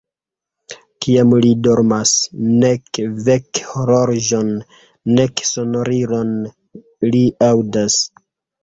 Kiam li dormas, nek vekhorloĝon, nek sonorilon li aŭdas.